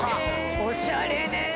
おしゃれね。